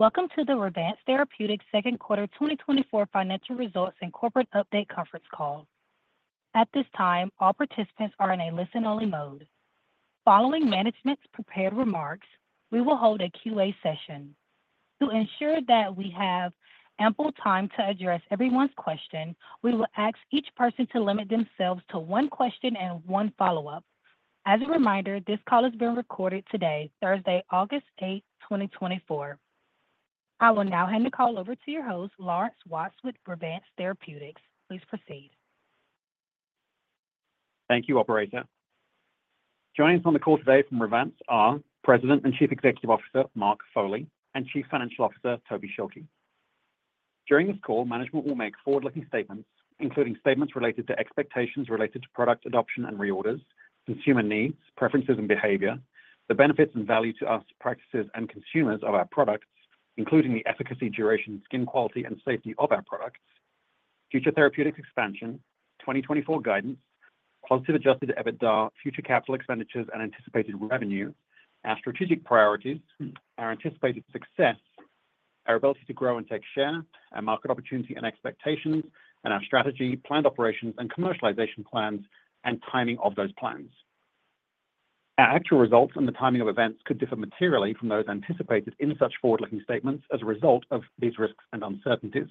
Welcome to the Revance Therapeutics Second Quarter 2024 Financial Results and Corporate Update Conference Call. At this time, all participants are in a listen-only mode. Following management's prepared remarks, we will hold a Q&A session. To ensure that we have ample time to address everyone's question, we will ask each person to limit themselves to one question and one follow-up. As a reminder, this call is being recorded today, Thursday, August 8th, 2024. I will now hand the call over to your host, Laurence Watts, with Revance Therapeutics. Please proceed. Thank you, operator. Joining us on the call today from Revance are President and Chief Executive Officer, Mark Foley, and Chief Financial Officer, Toby Schilke. During this call, management will make forward-looking statements, including statements related to expectations related to product adoption and reorders, consumer needs, preferences, and behavior, the benefits and value to us, practices and consumers of our products, including the efficacy, duration, skin quality, and safety of our products, future therapeutics expansion, 2024 guidance, positive adjusted EBITDA, future capital expenditures, and anticipated revenue, our strategic priorities, our anticipated success, our ability to grow and take share, our market opportunity and expectations, and our strategy, planned operations, and commercialization plans, and timing of those plans. Our actual results and the timing of events could differ materially from those anticipated in such forward-looking statements as a result of these risks and uncertainties.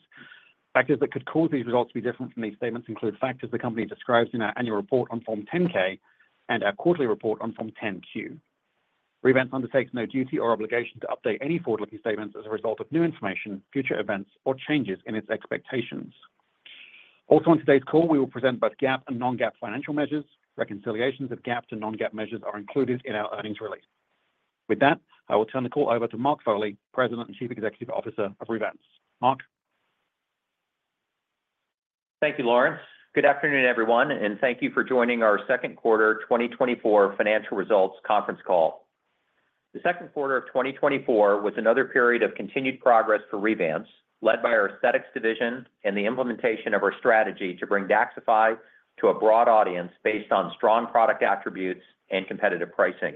Factors that could cause these results to be different from these statements include factors the company describes in our annual report on Form 10-K and our quarterly report on Form 10-Q. Revance undertakes no duty or obligation to update any forward-looking statements as a result of new information, future events, or changes in its expectations. Also, on today's call, we will present both GAAP and non-GAAP financial measures. Reconciliations of GAAP to non-GAAP measures are included in our earnings release. With that, I will turn the call over to Mark Foley, President and Chief Executive Officer of Revance. Mark? Thank you, Laurence. Good afternoon, everyone, and thank you for joining our second quarter 2024 financial results conference call. The second quarter of 2024 was another period of continued progress for Revance, led by our Aesthetics division and the implementation of our strategy to bring DAXXIFY to a broad audience based on strong product attributes and competitive pricing.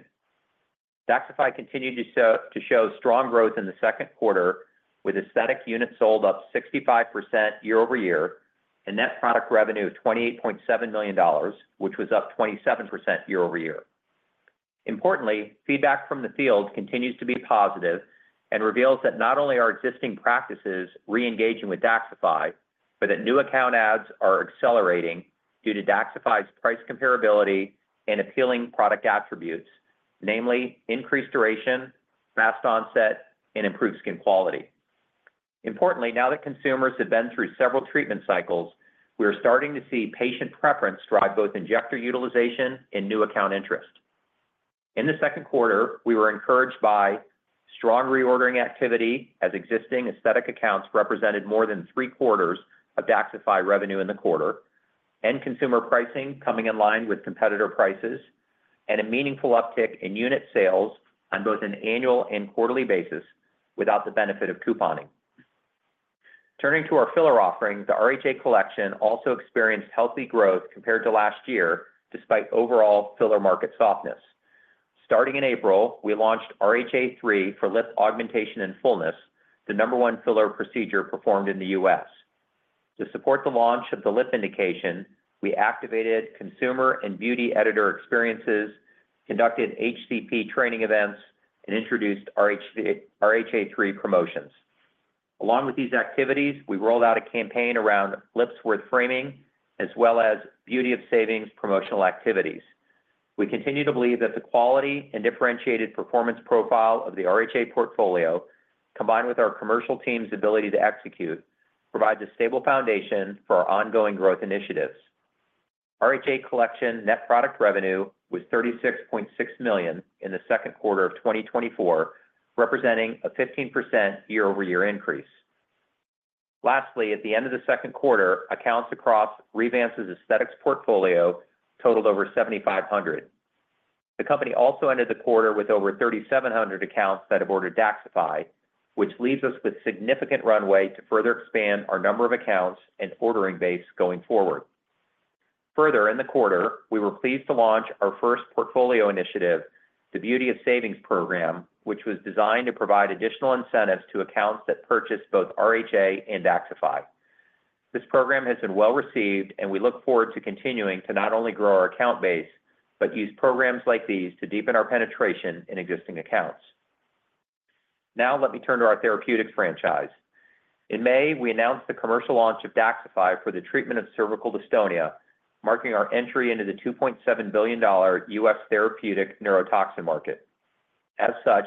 DAXXIFY continued to show strong growth in the second quarter, with aesthetic units sold up 65% year-over-year, and net product revenue $28.7 million, which was up 27% year-over-year. Importantly, feedback from the field continues to be positive and reveals that not only are existing practices reengaging with DAXXIFY, but that new account adds are accelerating due to DAXXIFY's price comparability and appealing product attributes, namely increased duration, fast onset, and improved skin quality. Importantly, now that consumers have been through several treatment cycles, we are starting to see patient preference drive both injector utilization and new account interest. In the second quarter, we were encouraged by strong reordering activity, as existing aesthetic accounts represented more than three-quarters of DAXXIFY revenue in the quarter, end consumer pricing coming in line with competitor prices, and a meaningful uptick in unit sales on both an annual and quarterly basis without the benefit of couponing. Turning to our filler offerings, the RHA Collection also experienced healthy growth compared to last year, despite overall filler market softness. Starting in April, we launched RHA 3 for lip augmentation and fullness, the number one filler procedure performed in the U.S. To support the launch of the lip indication, we activated consumer and beauty editor experiences, conducted HCP training events, and introduced RHA- RHA 3 promotions. Along with these activities, we rolled out a campaign around Lips Worth Framing, as well as Beauty of Savings promotional activities. We continue to believe that the quality and differentiated performance profile of the RHA portfolio, combined with our commercial team's ability to execute, provides a stable foundation for our ongoing growth initiatives. RHA Collection net product revenue was $36.6 million in the second quarter of 2024, representing a 15% year-over-year increase. Lastly, at the end of the second quarter, accounts across Revance's Aesthetics portfolio totaled over 7,500. The company also ended the quarter with over 3,700 accounts that have ordered DAXXIFY, which leaves us with significant runway to further expand our number of accounts and ordering base going forward. Further in the quarter, we were pleased to launch our first portfolio initiative, the Beauty of Savings program, which was designed to provide additional incentives to accounts that purchase both RHA and DAXXIFY. This program has been well-received, and we look forward to continuing to not only grow our account base, but use programs like these to deepen our penetration in existing accounts. Now, let me turn to our therapeutics franchise. In May, we announced the commercial launch of DAXXIFY for the treatment of cervical dystonia, marking our entry into the $2.7 billion U.S. therapeutic neurotoxin market. As such,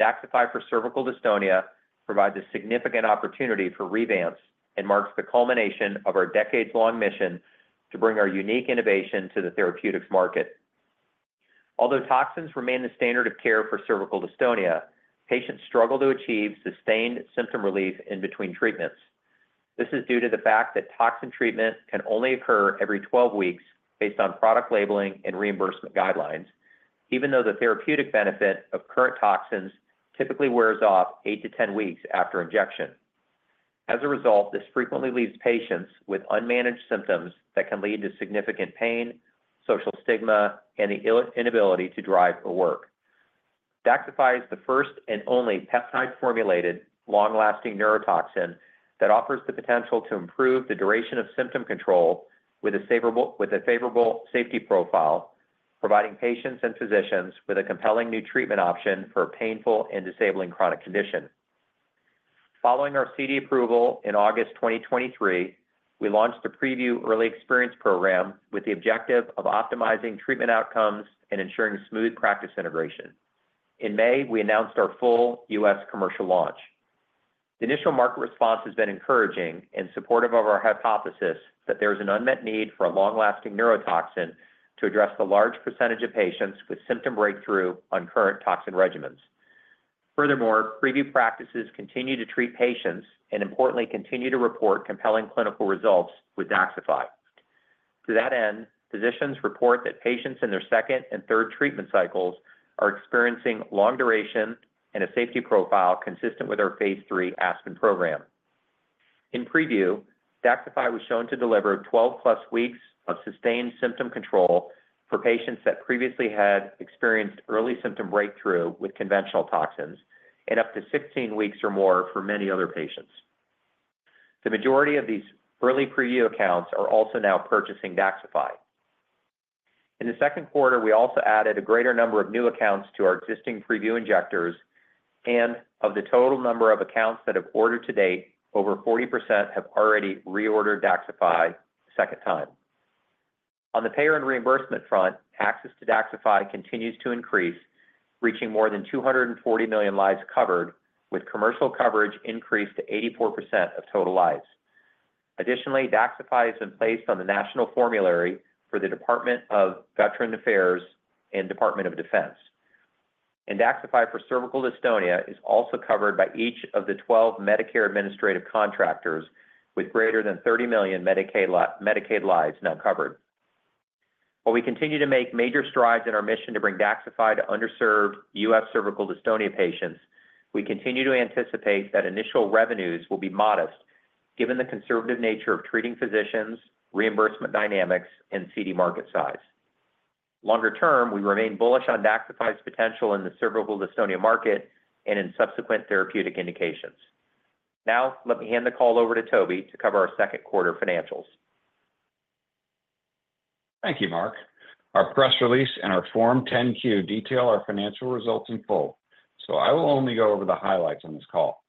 DAXXIFY for cervical dystonia provides a significant opportunity for Revance and marks the culmination of our decades-long mission to bring our unique innovation to the therapeutics market. Although toxins remain the standard of care for cervical dystonia, patients struggle to achieve sustained symptom relief in between treatments. This is due to the fact that toxin treatment can only occur every 12 weeks based on product labeling and reimbursement guidelines, even though the therapeutic benefit of current toxins typically wears off eight to 10 weeks after injection. As a result, this frequently leaves patients with unmanaged symptoms that can lead to significant pain, social stigma, and the inability to drive or work. DAXXIFY is the first and only peptide-formulated, long-lasting neurotoxin that offers the potential to improve the duration of symptom control with a favorable safety profile, providing patients and physicians with a compelling new treatment option for a painful and disabling chronic condition. Following our CD approval in August 2023, we launched a PrevU early experience program with the objective of optimizing treatment outcomes and ensuring smooth practice integration. In May, we announced our full U.S. commercial launch. The initial market response has been encouraging and supportive of our hypothesis that there is an unmet need for a long-lasting neurotoxin to address the large percentage of patients with symptom breakthrough on current toxin regimens. Furthermore, PrevU practices continue to treat patients, and importantly, continue to report compelling clinical results with DAXXIFY. To that end, physicians report that patients in their second and third treatment cycles are experiencing long duration and a safety profile consistent with our phase III ASPEN program. In PrevU, DAXXIFY was shown to deliver 12+ weeks of sustained symptom control for patients that previously had experienced early symptom breakthrough with conventional toxins, and up to 16 weeks or more for many other patients. The majority of these early PrevU accounts are also now purchasing DAXXIFY. In the second quarter, we also added a greater number of new accounts to our existing PrevU injectors, and of the total number of accounts that have ordered to date, over 40% have already reordered DAXXIFY a second time. On the payer and reimbursement front, access to DAXXIFY continues to increase, reaching more than 240 million lives covered, with commercial coverage increased to 84% of total lives. Additionally, DAXXIFY has been placed on the national formulary for the Department of Veterans Affairs and Department of Defense. DAXXIFY for cervical dystonia is also covered by each of the 12 Medicare Administrative Contractors with greater than 30 million Medicaid lives now covered. While we continue to make major strides in our mission to bring DAXXIFY to underserved U.S. cervical dystonia patients, we continue to anticipate that initial revenues will be modest, given the conservative nature of treating physicians, reimbursement dynamics, and CD market size. Longer term, we remain bullish on DAXXIFY's potential in the cervical dystonia market and in subsequent therapeutic indications. Now, let me hand the call over to Toby to cover our second quarter financials. Thank you, Mark. Our press release and our Form 10-Q detail our financial results in full, so I will only go over the highlights on this call.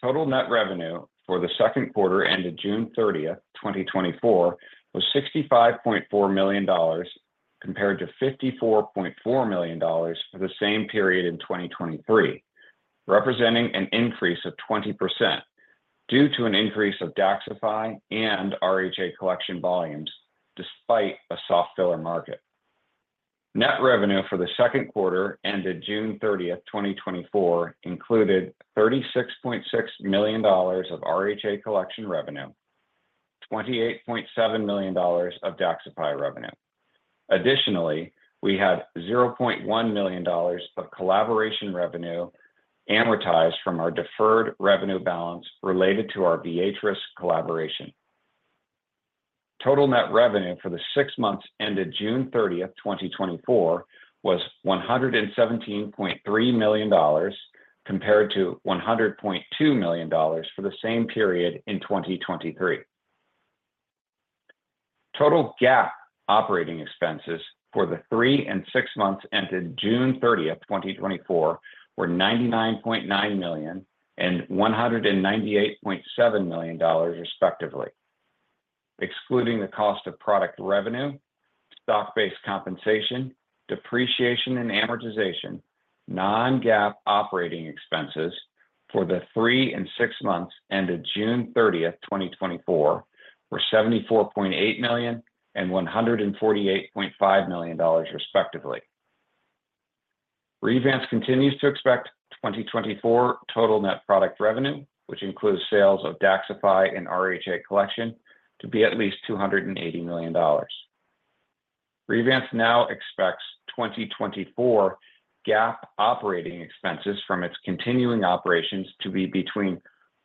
Total net revenue for the second quarter ended June 30, 2024, was $65.4 million, compared to $54.4 million for the same period in 2023, representing an increase of 20% due to an increase of DAXXIFY and RHA Collection volumes, despite a soft filler market. Net revenue for the second quarter ended June 30th, 2024, included $36.6 million of RHA Collection revenue, $28.7 million of DAXXIFY revenue. Additionally, we had $0.1 million of collaboration revenue amortized from our deferred revenue balance related to our Viatris collaboration. Total net revenue for the six months ended June 30th, 2024, was $117.3 million, compared to $100.2 million for the same period in 2023. Total GAAP operating expenses for the three and six months ended June 30th, 2024, were $99.9 million and $198.7 million, respectively. Excluding the cost of product revenue, stock-based compensation, depreciation and amortization, non-GAAP operating expenses for the three and six months ended June 30th, 2024, were $74.8 million and $148.5 million, respectively. Revance continues to expect 2024 total net product revenue, which includes sales of DAXXIFY and RHA Collection, to be at least $280 million. Revance now expects 2024 GAAP operating expenses from its continuing operations to be between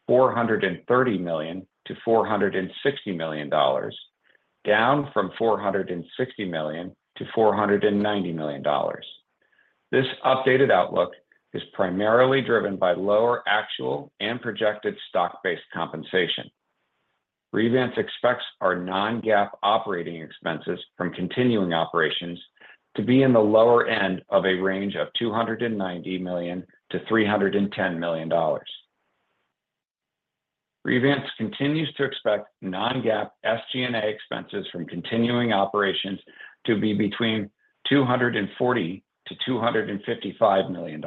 $430 million and $460 million, down from $460 million to $490 million. This updated outlook is primarily driven by lower actual and projected stock-based compensation. Revance expects our non-GAAP operating expenses from continuing operations to be in the lower end of a range of $290 million-$310 million. Revance continues to expect non-GAAP SG&A expenses from continuing operations to be between $240 million-$255 million.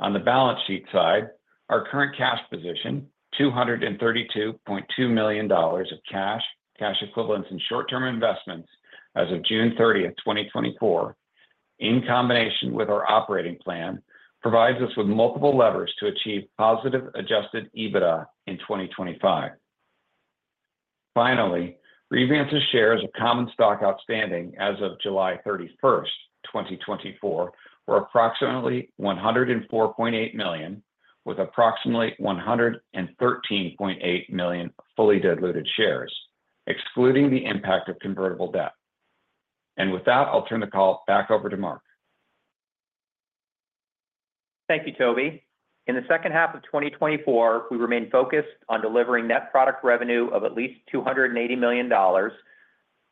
On the balance sheet side, our current cash position, $232.2 million of cash, cash equivalents, and short-term investments as of June 30th, 2024, in combination with our operating plan, provides us with multiple levers to achieve positive adjusted EBITDA in 2025. Finally, Revance's shares of common stock outstanding as of July 31st, 2024, were approximately 104.8 million, with approximately 113.8 million fully diluted shares, excluding the impact of convertible debt. And with that, I'll turn the call back over to Mark. Thank you, Toby. In the second half of 2024, we remain focused on delivering net product revenue of at least $280 million,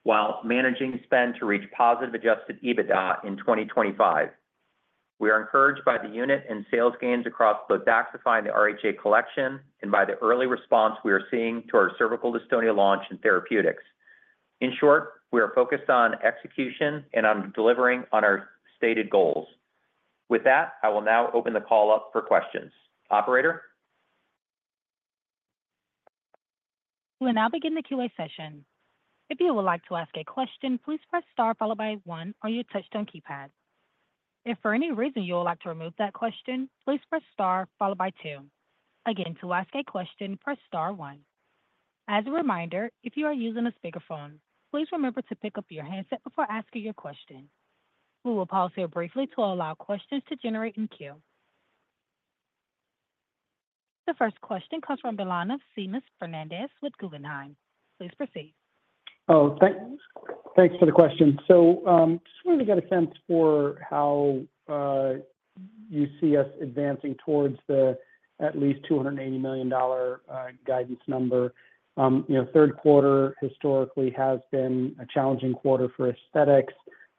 while managing spend to reach positive adjusted EBITDA in 2025. We are encouraged by the unit and sales gains across both DAXXIFY and the RHA Collection, and by the early response we are seeing to our cervical dystonia launch in therapeutics. In short, we are focused on execution and on delivering on our stated goals. With that, I will now open the call up for questions. Operator? We'll now begin the Q&A session. If you would like to ask a question, please press star followed by one on your touchtone keypad. If for any reason you would like to remove that question, please press star followed by two. Again, to ask a question, press star one. As a reminder, if you are using a speakerphone, please remember to pick up your handset before asking your question. We will pause here briefly to allow questions to generate in queue. The first question comes from the line of Seamus Fernandez with Guggenheim. Please proceed. Thanks for the question. So, just wanted to get a sense for how you see us advancing towards the at least $280 million guidance number. You know, third quarter historically has been a challenging quarter for Aesthetics,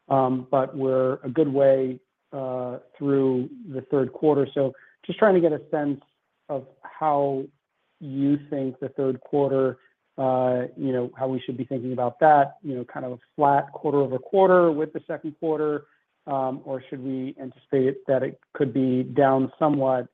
but we're a good way through the third quarter. So just trying to get a sense of how you think the third quarter, you know, how we should be thinking about that, you know, kind of a flat quarter-over-quarter with the second quarter, or should we anticipate that it could be down somewhat,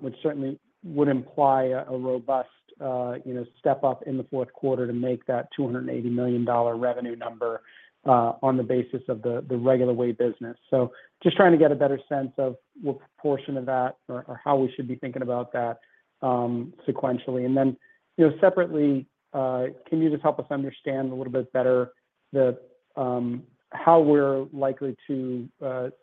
which certainly would imply a robust, you know, step up in the fourth quarter to make that $280 million revenue number, on the basis of the regular way business? So just trying to get a better sense of what proportion of that or how we should be thinking about that sequentially. And then, you know, separately, can you just help us understand a little bit better how we're likely to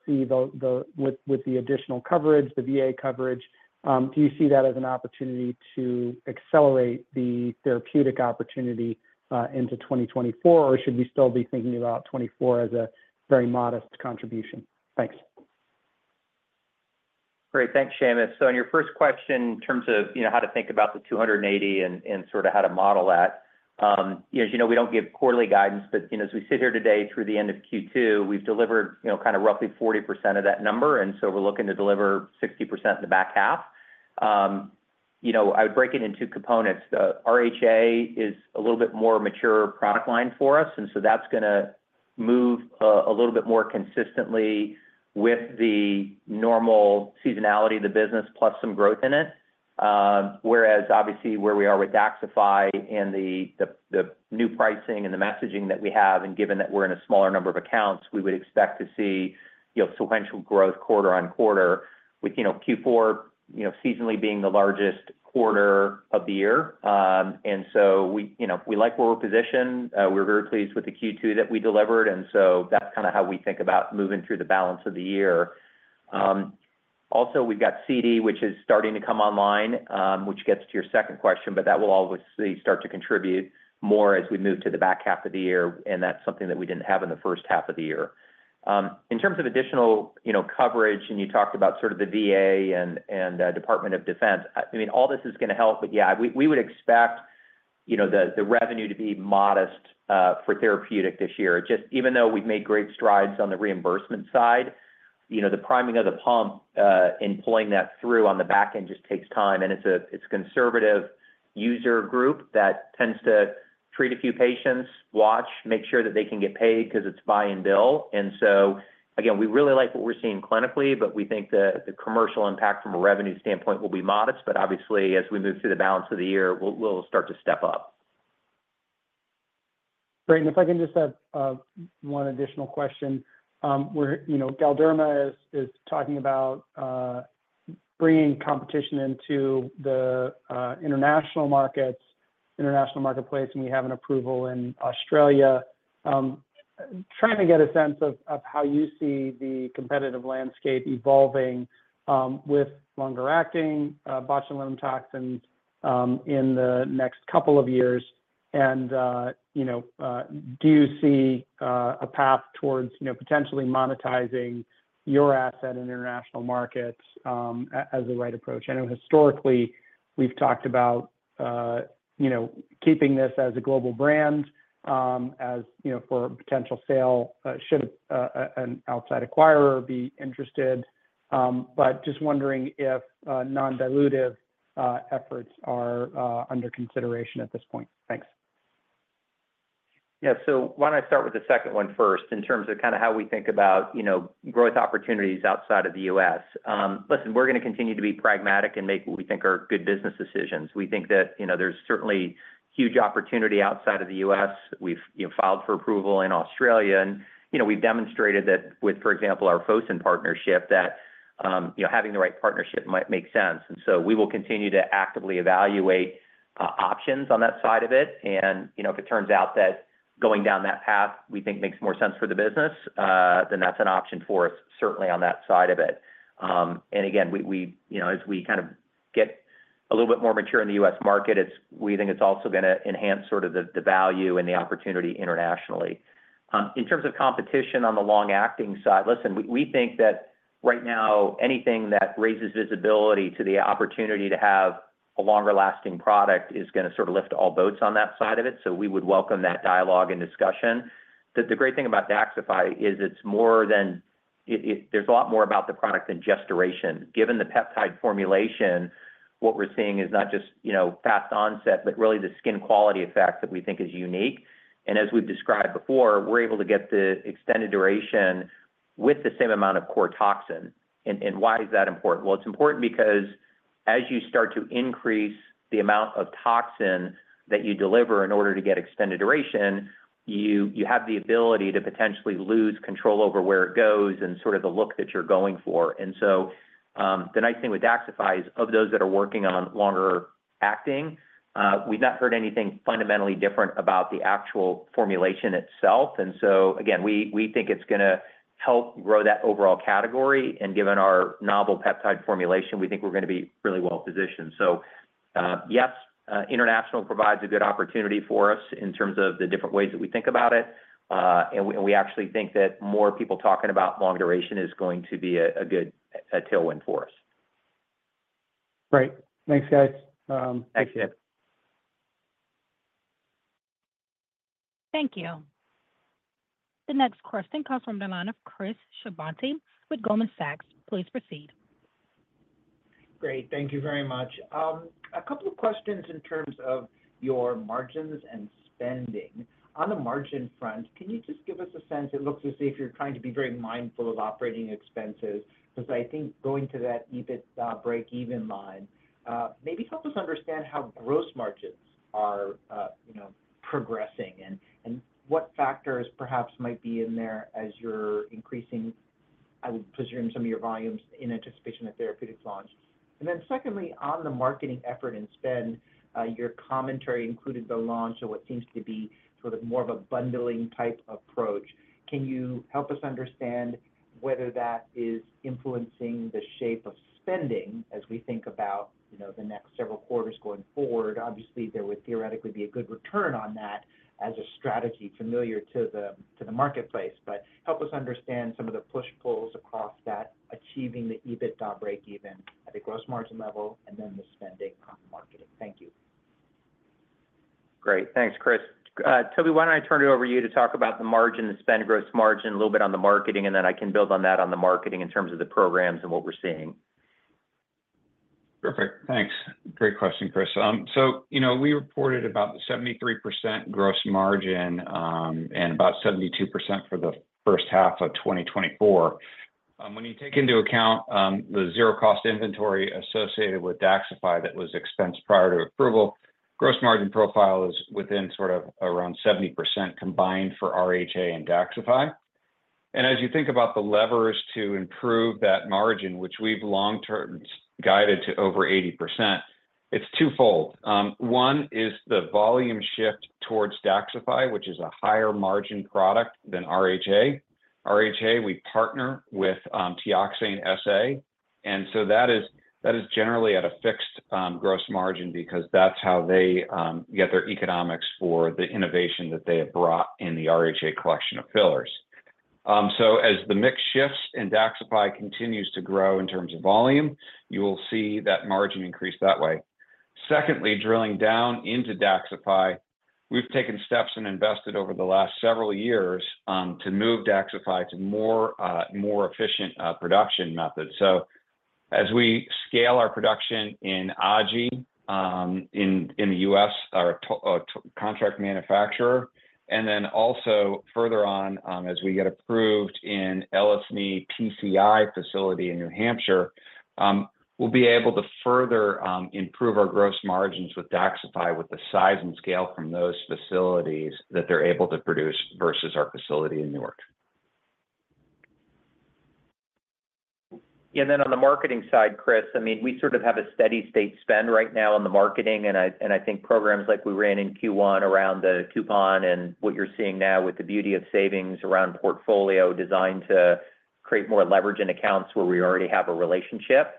see with the additional coverage, the VA coverage. Do you see that as an opportunity to accelerate the therapeutic opportunity into 2024? Or should we still be thinking about 2024 as a very modest contribution? Thanks. Great. Thanks, Seamus. So on your first question, in terms of, you know, how to think about the $280 and sort of how to model that, as you know, we don't give quarterly guidance, but, you know, as we sit here today through the end of Q2, we've delivered, you know, kind of roughly 40% of that number, and so we're looking to deliver 60% in the back half. You know, I would break it into two components. The RHA is a little bit more mature product line for us, and so that's gonna move a little bit more consistently with the normal seasonality of the business, plus some growth in it. Whereas obviously, where we are with DAXXIFY and the new pricing and the messaging that we have, and given that we're in a smaller number of accounts, we would expect to see, you know, sequential growth quarter on quarter with, you know, Q4, you know, seasonally being the largest quarter of the year. And so we, you know, we like where we're positioned. We're very pleased with the Q2 that we delivered, and so that's kind of how we think about moving through the balance of the year. Also, we've got CD, which is starting to come online, which gets to your second question, but that will obviously start to contribute more as we move to the back half of the year, and that's something that we didn't have in the first half of the year. In terms of additional, you know, coverage, and you talked about sort of the VA and, and, Department of Defense, I mean, all this is gonna help, but yeah, we, we would expect, you know, the, the revenue to be modest, for therapeutic this year. Just even though we've made great strides on the reimbursement side, you know, the priming of the pump, and pulling that through on the back end just takes time, and it's a-- it's a conservative user group that tends to treat a few patients, watch, make sure that they can get paid because it's buy and bill. And so again, we really like what we're seeing clinically, but we think the, the commercial impact from a revenue standpoint will be modest. But obviously, as we move through the balance of the year, we'll, we'll start to step up. Great. And if I can just add one additional question. We're you know, Galderma is talking about bringing competition into the international markets, international marketplace, and we have an approval in Australia. Trying to get a sense of how you see the competitive landscape evolving with longer-acting botulinum toxins in the next couple of years. And you know, do you see a path towards potentially monetizing your asset in international markets as the right approach? I know historically, we've talked about you know, keeping this as a global brand as you know, for potential sale should an outside acquirer be interested. But just wondering if non-dilutive efforts are under consideration at this point. Thanks. Yeah. So why don't I start with the second one first, in terms of kind of how we think about, you know, growth opportunities outside of the U.S. Listen, we're gonna continue to be pragmatic and make what we think are good business decisions. We think that, you know, there's certainly huge opportunity outside of the U.S. We've, you know, filed for approval in Australia, and, you know, we've demonstrated that with, for example, our Fosun partnership, that, you know, having the right partnership might make sense. And so we will continue to actively evaluate options on that side of it. And, you know, if it turns out that going down that path, we think makes more sense for the business, then that's an option for us, certainly on that side of it. And again, we-- you know, as we kind of get a little bit more mature in the U.S. market, it's-- we think it's also gonna enhance sort of the value and the opportunity internationally. In terms of competition on the long-acting side, listen, we think that right now, anything that raises visibility to the opportunity to have a longer-lasting product is gonna sort of lift all boats on that side of it, so we would welcome that dialogue and discussion. The great thing about DAXXIFY is it's more than it-- there's a lot more about the product than just duration. Given the peptide formulation, what we're seeing is not just, you know, fast onset, but really the skin quality effect that we think is unique. As we've described before, we're able to get the extended duration with the same amount of core toxin. And why is that important? Well, it's important because as you start to increase the amount of toxin that you deliver in order to get extended duration, you have the ability to potentially lose control over where it goes and sort of the look that you're going for. And so, the nice thing with DAXXIFY is, of those that are working on longer acting, we've not heard anything fundamentally different about the actual formulation itself. And so again, we think it's gonna help grow that overall category, and given our novel peptide formulation, we think we're gonna be really well positioned. So, yes, international provides a good opportunity for us in terms of the different ways that we think about it, and we actually think that more people talking about long duration is going to be a good tailwind for us. Great. Thanks, guys. Thanks you. Thank you. The next question comes from the line of Chris Shibutani with Goldman Sachs. Please proceed. Great. Thank you very much. A couple of questions in terms of your margins and spending. On the margin front, can you just give us a sense? It looks as if you're trying to be very mindful of operating expenses, because I think going to that EBIT break-even line, maybe help us understand how gross margins are, you know, progressing and what factors perhaps might be in there as you're increasing, I would presume, some of your volumes in anticipation of therapeutics launch. And then secondly, on the marketing effort and spend, your commentary included the launch of what seems to be sort of more of a bundling type approach. Can you help us understand whether that is influencing the shape of spending as we think about, you know, the next several quarters going forward? Obviously, there would theoretically be a good return on that as a strategy familiar to the marketplace. But help us understand some of the push-pulls across that, achieving the EBITDA break even at a gross margin level and then the spending on marketing. Thank you. Great. Thanks, Chris. Toby, why don't I turn it over to you to talk about the margin and spend gross margin, a little bit on the marketing, and then I can build on that on the marketing in terms of the programs and what we're seeing. Perfect. Thanks. Great question, Chris. So, you know, we reported about 73% gross margin, and about 72% for the first half of 2024. When you take into account the zero cost inventory associated with DAXXIFY, that was expensed prior to approval, gross margin profile is within sort of around 70% combined for RHA and DAXXIFY. And as you think about the levers to improve that margin, which we've long term guided to over 80%, it's twofold. One is the volume shift towards DAXXIFY, which is a higher margin product than RHA. RHA, we partner with Teoxane SA, and so that is, that is generally at a fixed gross margin because that's how they get their economics for the innovation that they have brought in the RHA Collection of fillers. So as the mix shifts and DAXXIFY continues to grow in terms of volume, you will see that margin increase that way. Secondly, drilling down into DAXXIFY, we've taken steps and invested over the last several years to move DAXXIFY to more efficient production methods. So as we scale our production in Aji in the U.S., our contract manufacturer, and then also further on as we get approved in LSNE PCI facility in New Hampshire, we'll be able to further improve our gross margins with DAXXIFY, with the size and scale from those facilities that they're able to produce versus our facility in New York. Yeah, and then on the marketing side, Chris, I mean, we sort of have a steady state spend right now on the marketing, and I, and I think programs like we ran in Q1 around the coupon and what you're seeing now with the Beauty of Savings around portfolio designed to create more leverage in accounts where we already have a relationship,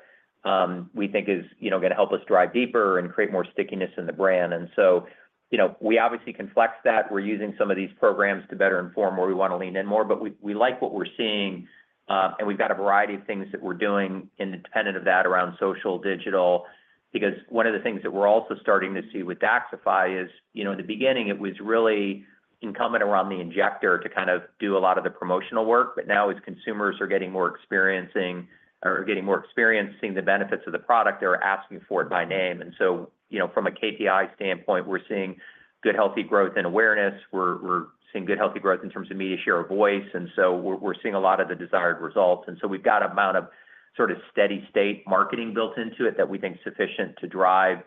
we think is, you know, gonna help us drive deeper and create more stickiness in the brand. And so, you know, we obviously can flex that. We're using some of these programs to better inform where we want to lean in more, but we, we like what we're seeing, and we've got a variety of things that we're doing independent of that around social digital. Because one of the things that we're also starting to see with DAXXIFY is, you know, in the beginning it was really incumbent around the injector to kind of do a lot of the promotional work. But now as consumers are getting more experiencing or getting more experience, seeing the benefits of the product, they're asking for it by name. And so, you know, from a KPI standpoint, we're seeing good, healthy growth and awareness. We're seeing good, healthy growth in terms of media share of voice, and so we're seeing a lot of the desired results. And so we've got amount of sort of steady state marketing built into it that we think is sufficient to drive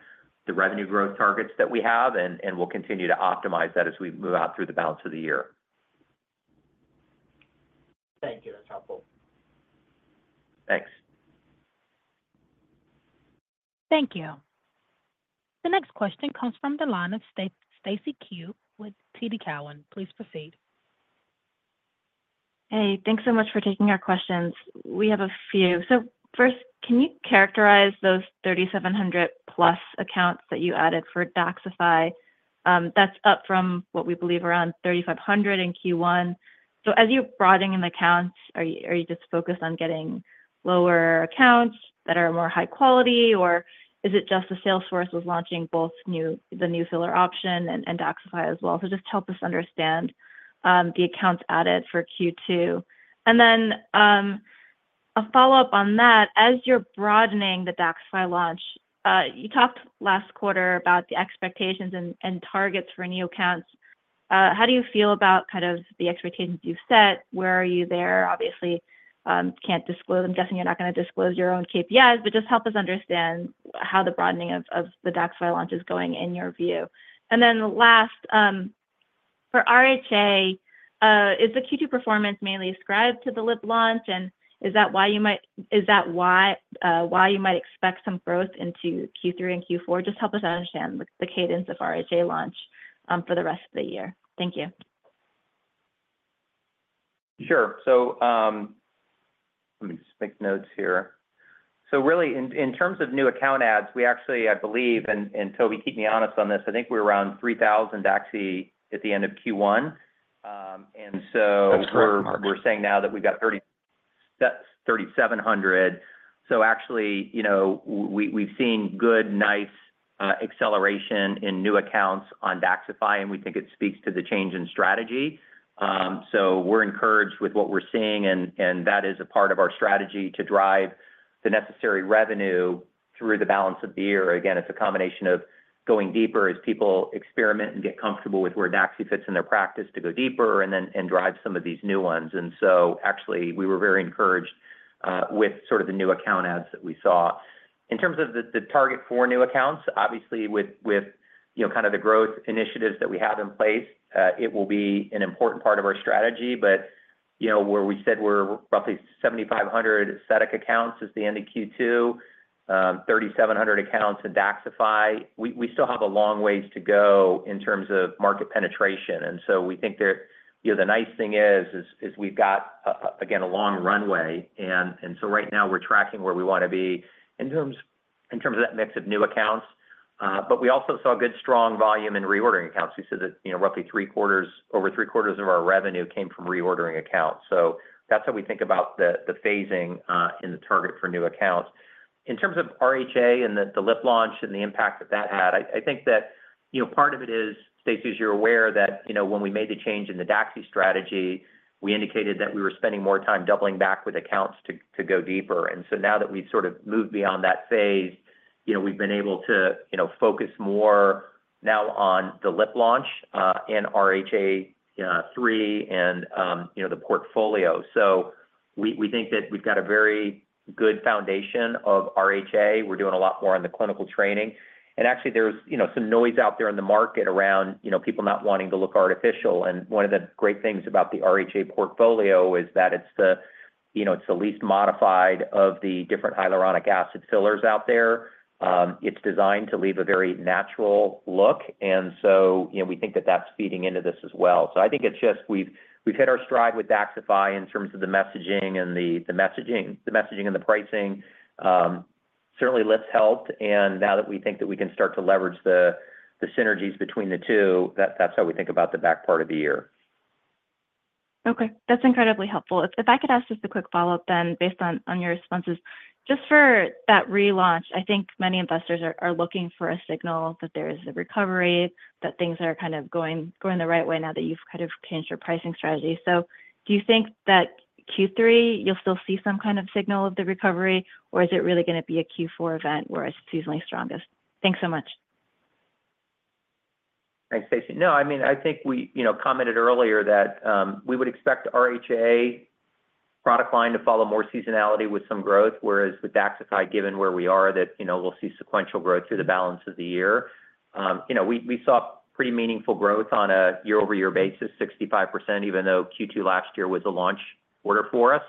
the revenue growth targets that we have, and we'll continue to optimize that as we move out through the balance of the year. Thank you. That's helpful. Thank you. The next question comes from the line of Stacy Ku with TD Cowen. Please proceed. Hey, thanks so much for taking our questions. We have a few. So first, can you characterize those 3,700+ accounts that you added for DAXXIFY? That's up from what we believe, around 3,500 in Q1. So as you're broadening the accounts, are you just focused on getting lower accounts that are more high quality, or is it just the sales force was launching both the new filler option and DAXXIFY as well? So just help us understand the accounts added for Q2. And then, a follow-up on that, as you're broadening the DAXXIFY launch, you talked last quarter about the expectations and targets for new accounts. How do you feel about kind of the expectations you've set? Where are you there? Obviously, can't disclose. I'm guessing you're not gonna disclose your own KPIs, but just help us understand how the broadening of the DAXXIFY launch is going in your view. And then last, for RHA, is the Q2 performance mainly ascribed to the lip launch? And is that why you might expect some growth into Q3 and Q4? Just help us understand the cadence of RHA launch for the rest of the year. Thank you. Sure. So, let me just make notes here. So really, in terms of new account adds, we actually, I believe, and Toby, keep me honest on this, I think we're around 3,000 DAXI at the end of Q1. And so- That's correct, Mark. We're saying now that we've got 3,700. So actually, you know, we, we've seen good, nice acceleration in new accounts on DAXXIFY, and we think it speaks to the change in strategy. So we're encouraged with what we're seeing, and that is a part of our strategy to drive the necessary revenue through the balance of the year. Again, it's a combination of going deeper as people experiment and get comfortable with where DAXI fits in their practice, to go deeper and then and drive some of these new ones. And so actually, we were very encouraged with sort of the new account adds that we saw. In terms of the target for new accounts, obviously, with you know, kind of the growth initiatives that we have in place, it will be an important part of our strategy. But, you know, where we said we're roughly 7,500 aesthetic accounts is the end of Q2, 3,700 accounts in DAXXIFY, we still have a long ways to go in terms of market penetration. And so we think that, you know, the nice thing is we've got, again, a long runway. And so right now we're tracking where we wanna be in terms of that mix of new accounts. But we also saw good, strong volume in reordering accounts. We said that, you know, roughly three-quarters, over three-quarters of our revenue came from reordering accounts. So that's how we think about the phasing, and the target for new accounts. In terms of RHA and the lip launch and the impact that that had, I think that, you know, part of it is, Stacy, as you're aware, that, you know, when we made the change in the DAXI strategy, we indicated that we were spending more time doubling back with accounts to go deeper. And so now that we've sort of moved beyond that phase, you know, we've been able to, you know, focus more now on the lip launch and RHA 3 and, you know, the portfolio. So we think that we've got a very good foundation of RHA. We're doing a lot more on the clinical training. And actually, there's, you know, some noise out there in the market around, you know, people not wanting to look artificial. One of the great things about the RHA portfolio is that it's the, you know, it's the least modified of the different hyaluronic acid fillers out there. It's designed to leave a very natural look. And so, you know, we think that that's feeding into this as well. So I think it's just we've hit our stride with DAXXIFY in terms of the messaging and the messaging. The messaging and the pricing. Certainly lips helped, and now that we think that we can start to leverage the synergies between the two, that's how we think about the back part of the year. Okay. That's incredibly helpful. If I could ask just a quick follow-up then, based on your responses. Just for that relaunch, I think many investors are looking for a signal that there is a recovery, that things are kind of going the right way now that you've kind of changed your pricing strategy. So do you think that Q3, you'll still see some kind of signal of the recovery, or is it really gonna be a Q4 event where it's seasonally strongest? Thanks so much. Thanks, Stacy. No, I mean, I think we, you know, commented earlier that, we would expect RHA product line to follow more seasonality with some growth, whereas with DAXXIFY, given where we are, that, you know, we'll see sequential growth through the balance of the year. You know, we saw pretty meaningful growth on a year-over-year basis, 65%, even though Q2 last year was a launch quarter for us.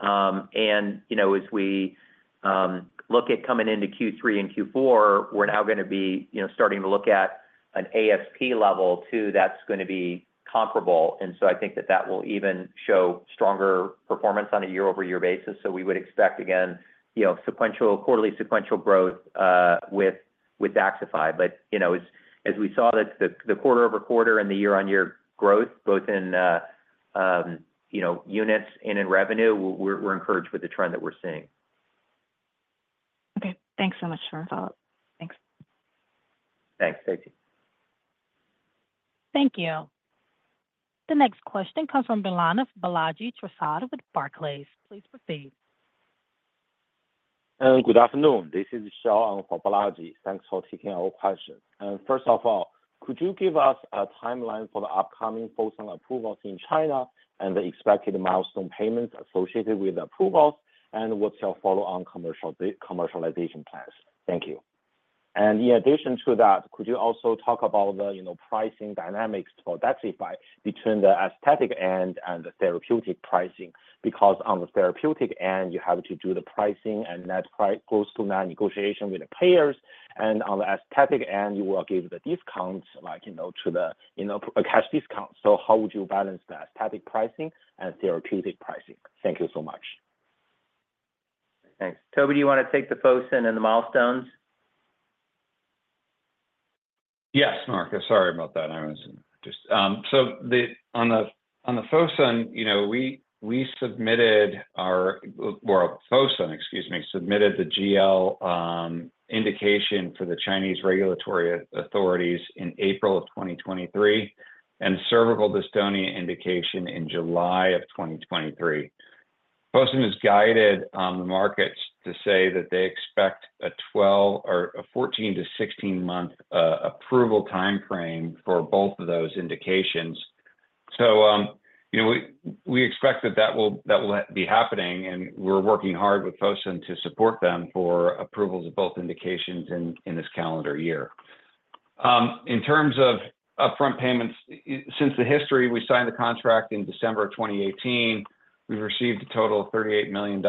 And, you know, as we look at coming into Q3 and Q4, we're now gonna be, you know, starting to look at an ASP level too, that's gonna be comparable. And so I think that will even show stronger performance on a year-over-year basis. So we would expect, again, you know, sequential, quarterly sequential growth with DAXXIFY. But, you know, as we saw that the quarter-over-quarter and the year-on-year growth, both in, you know, units and in revenue, we're encouraged with the trend that we're seeing. Okay. Thanks so much for your follow-up. Thanks. Thanks, Stacy. Thank you. The next question comes from the line of Balaji Prasad with Barclays. Please proceed. Good afternoon. This is Shaun for Balaji. Thanks for taking our questions. First of all, could you give us a timeline for the upcoming Fosun approvals in China and the expected milestone payments associated with approvals, and what's your follow-on commercialization plans? Thank you. And in addition to that, could you also talk about the, you know, pricing dynamics for DAXXIFY between the aesthetic end and the therapeutic pricing? Because on the therapeutic end, you have to do the pricing, and that price goes to that negotiation with the payers. And on the aesthetic end, you will give the discounts, like, you know, to the, you know, a cash discount. So how would you balance the aesthetic pricing and therapeutic pricing? Thank you so much. Thanks. Toby, do you want to take the Fosun and the milestones? Yes, Mark, sorry about that. I was just... So the, on the Fosun, you know, we, we submitted our, well, Fosun, excuse me, submitted the GL indication for the Chinese regulatory authorities in April of 2023, and cervical dystonia indication in July of 2023. Fosun has guided the markets to say that they expect a 12 or 14-16-month approval time frame for both of those indications. So, you know, we, we expect that that will, that will be happening, and we're working hard with Fosun to support them for approvals of both indications in this calendar year. In terms of upfront payments, since the history, we signed the contract in December 2018, we've received a total of $38 million,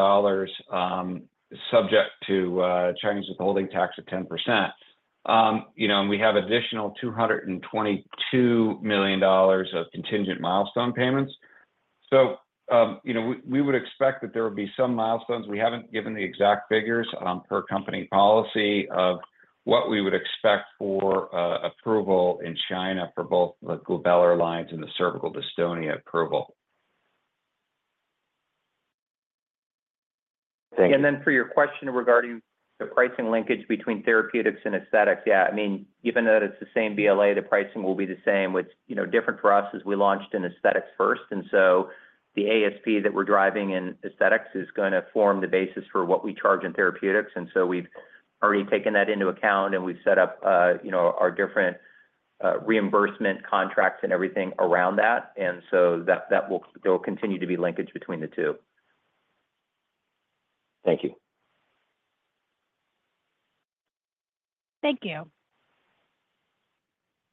subject to Chinese withholding tax of 10%. You know, and we have additional $222 million of contingent milestone payments. So, you know, we would expect that there would be some milestones. We haven't given the exact figures, per company policy of what we would expect for approval in China for both the glabellar lines and the cervical dystonia approval. Thank you. Then for your question regarding the pricing linkage between therapeutics and aesthetics, yeah, I mean, given that it's the same BLA, the pricing will be the same. What's, you know, different for us is we launched in aesthetics first, and so the ASP that we're driving in aesthetics is gonna form the basis for what we charge in therapeutics. And so we've already taken that into account, and we've set up, you know, our different reimbursement contracts and everything around that. And so that will continue to be linkage between the two. Thank you. Thank you.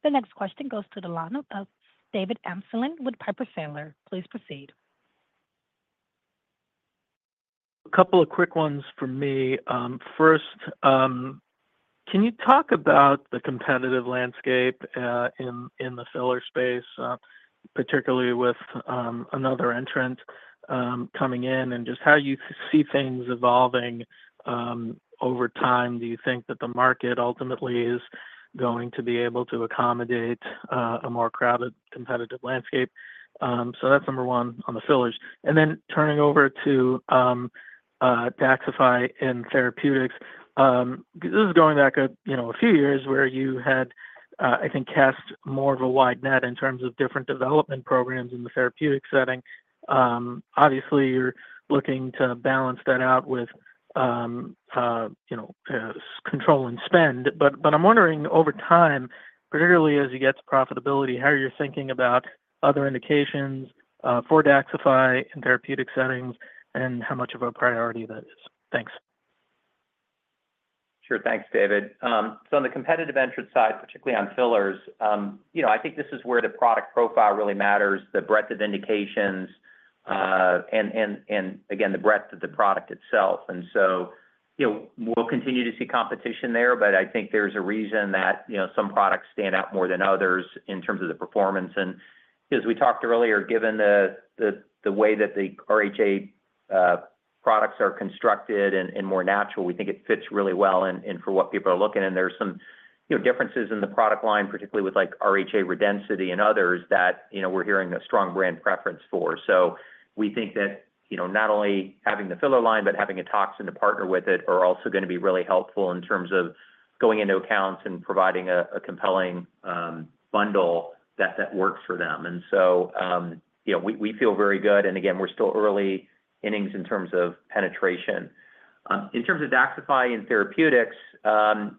The next question goes to the line of David Amsellem with Piper Sandler. Please proceed. A couple of quick ones from me. First, can you talk about the competitive landscape in the filler space, particularly with another entrant coming in, and just how you see things evolving over time? Do you think that the market ultimately is going to be able to accommodate a more crowded, competitive landscape? So that's number one on the fillers. Then turning over to DAXXIFY in therapeutics, this is going back a, you know, a few years where you had, I think, cast more of a wide net in terms of different development programs in the therapeutic setting. Obviously, you're looking to balance that out with, you know, control and spend. But I'm wondering over time, particularly as you get to profitability, how you're thinking about other indications for DAXXIFY in therapeutic settings and how much of a priority that is? Thanks. Sure. Thanks, David. So on the competitive intense side, particularly on fillers, you know, I think this is where the product profile really matters, the breadth of indications, and again, the breadth of the product itself. And so, you know, we'll continue to see competition there, but I think there's a reason that, you know, some products stand out more than others in terms of the performance. And as we talked earlier, given the way that the RHA products are constructed and more natural, we think it fits really well and for what people are looking. And there's some, you know, differences in the product line, particularly with, like RHA Redensity and others that, you know, we're hearing a strong brand preference for. So we think that, you know, not only having the filler line, but having a toxin to partner with it, are also gonna be really helpful in terms of going into accounts and providing a compelling bundle that works for them. And so, you know, we feel very good, and again, we're still early innings in terms of penetration. In terms of DAXXIFY and therapeutics,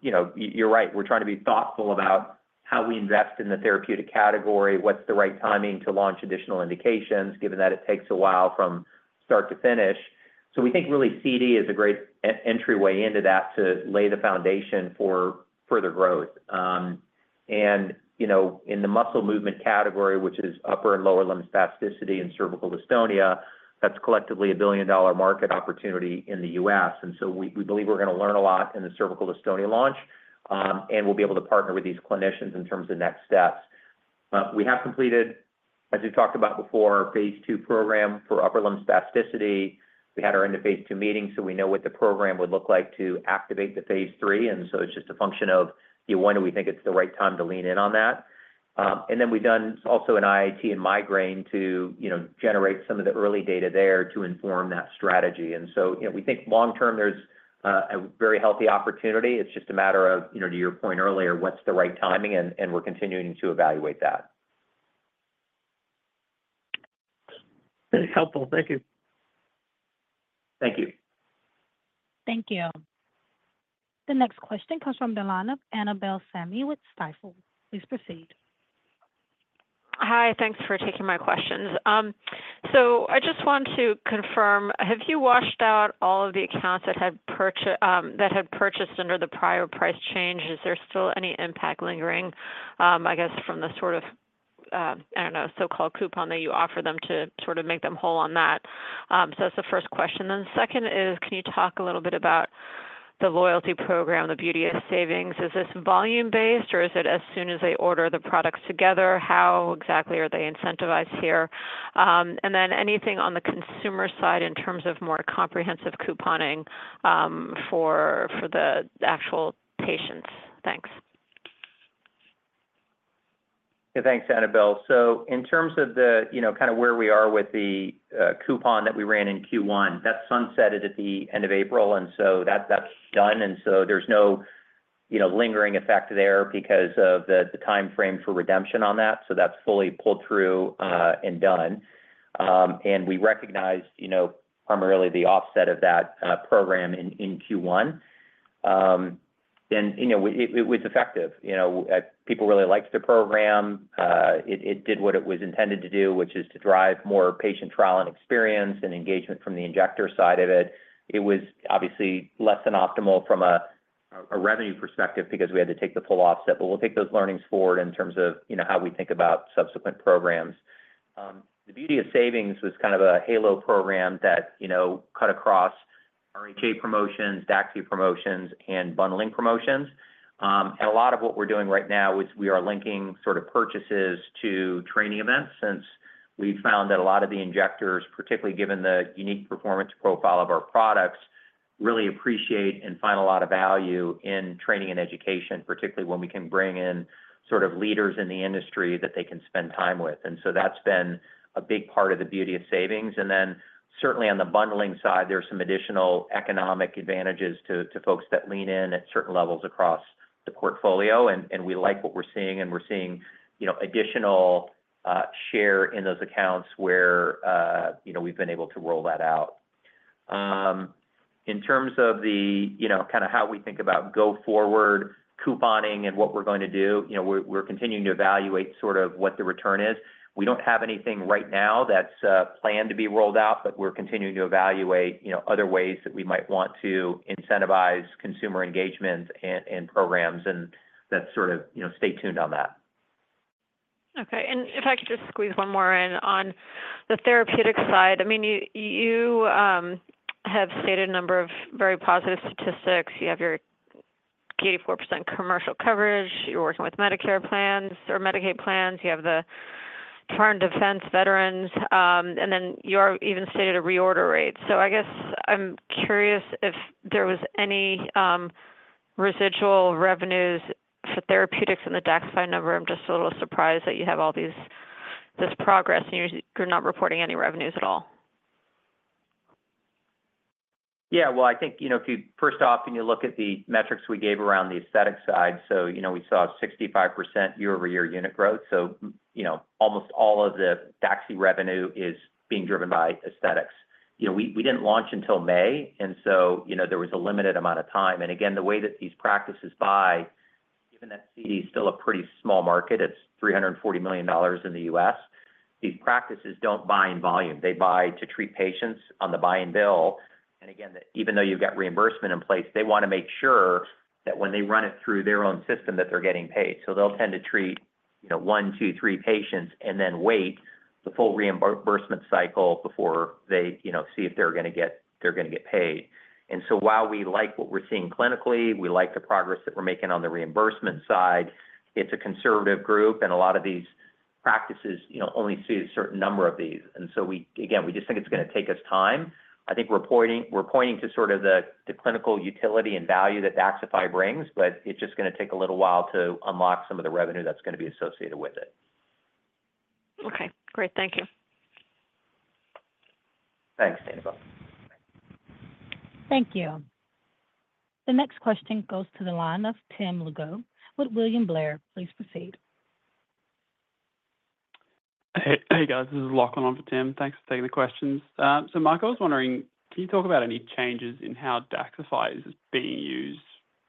you know, you're right, we're trying to be thoughtful about how we invest in the therapeutic category, what's the right timing to launch additional indications, given that it takes a while from start to finish. So we think really CD is a great entryway into that to lay the foundation for further growth. And you know, in the muscle movement category, which is upper and lower limb spasticity and cervical dystonia, that's collectively a billion-dollar market opportunity in the U.S. And so we, we believe we're gonna learn a lot in the cervical dystonia launch, and we'll be able to partner with these clinicians in terms of next steps. We have completed, as we talked about before, phase II program for upper limb spasticity. We had our end of phase II meeting, so we know what the program would look like to activate the phase III. And so it's just a function of, you know, when do we think it's the right time to lean in on that? And t`hen we've done also an IIT in migraine to, you know, generate some of the early data there to inform that strategy. So, you know, we think long term, there's a very healthy opportunity. It's just a matter of, you know, to your point earlier, what's the right timing, and we're continuing to evaluate that. Very helpful. Thank you. Thank you. Thank you. The next question comes from the line of Annabel Samimy with Stifel. Please proceed. ... Hi, thanks for taking my questions. So I just want to confirm, have you washed out all of the accounts that have purchased under the prior price change? Is there still any impact lingering, I guess, from the sort of, so-called coupon that you offer them to sort of make them whole on that? So that's the first question. Then the second is, can you talk a little bit about the loyalty program, the Beauty of Savings? Is this volume-based, or is it as soon as they order the products together? How exactly are they incentivized here? And then anything on the consumer side in terms of more comprehensive couponing, for the actual patients? Thanks. Yeah. Thanks, Annabel. So in terms of the, you know, kind of where we are with the coupon that we ran in Q1, that sunsetted at the end of April, and so that's done, and so there's no, you know, lingering effect there because of the timeframe for redemption on that. So that's fully pulled through, and done. And we recognized, you know, primarily the offset of that program in Q1. And, you know, it was effective. You know, people really liked the program. It did what it was intended to do, which is to drive more patient trial and experience and engagement from the injector side of it. It was obviously less than optimal from a revenue perspective because we had to take the full offset, but we'll take those learnings forward in terms of, you know, how we think about subsequent programs. The Beauty of Savings was kind of a halo program that, you know, cut across RHA promotions, DAXXIFY promotions, and bundling promotions. And a lot of what we're doing right now is we are linking sort of purchases to training events, since we've found that a lot of the injectors, particularly given the unique performance profile of our products, really appreciate and find a lot of value in training and education, particularly when we can bring in sort of leaders in the industry that they can spend time with. And so that's been a big part of the Beauty of Savings. Then certainly on the bundling side, there are some additional economic advantages to folks that lean in at certain levels across the portfolio, and we like what we're seeing, and we're seeing, you know, additional share in those accounts where, you know, we've been able to roll that out. In terms of the, you know, kind of how we think about go forward couponing and what we're going to do, you know, we're continuing to evaluate sort of what the return is. We don't have anything right now that's planned to be rolled out, but we're continuing to evaluate, you know, other ways that we might want to incentivize consumer engagement and programs, and that's sort of, you know, stay tuned on that. Okay. If I could just squeeze one more in on the therapeutic side. I mean, you have stated a number of very positive statistics. You have your 84% commercial coverage. You're working with Medicare plans or Medicaid plans. You have the Department of Defense, Veterans, and then you have even stated a reorder rate. I guess I'm curious if there was any residual revenues for therapeutics in the DAXXIFY number. I'm just a little surprised that you have all this progress, and you're not reporting any revenues at all. Yeah, well, I think, you know, if you... First off, when you look at the metrics we gave around the aesthetic side, so, you know, we saw 65% year-over-year unit growth, so, you know, almost all of the DAXXIFY revenue is being driven by aesthetics. You know, we, we didn't launch until May, and so, you know, there was a limited amount of time. And again, the way that these practices buy, given that CD is still a pretty small market, it's $340 million in the U.S., these practices don't buy in volume. They buy to treat patients on the buy and bill. And again, even though you've got reimbursement in place, they want to make sure that when they run it through their own system, that they're getting paid. So they'll tend to treat, you know, one, two, three patients and then wait the full reimbursement cycle before they, you know, see if they're gonna get, they're gonna get paid. And so while we like what we're seeing clinically, we like the progress that we're making on the reimbursement side, it's a conservative group, and a lot of these practices, you know, only see a certain number of these. And so we, again, we just think it's gonna take us time. I think we're pointing, we're pointing to sort of the, the clinical utility and value that DAXXIFY brings, but it's just gonna take a little while to unlock some of the revenue that's gonna be associated with it. Okay, great. Thank you. Thanks, Annabel. Thank you. The next question goes to the line of Tim Lugo with William Blair. Please proceed. Hey, hey, guys. This is Lachlan on for Tim. Thanks for taking the questions. So Mark, I was wondering, can you talk about any changes in how DAXXIFY is being used